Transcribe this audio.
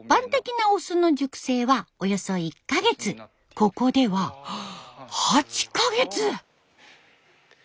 ここでは８か月！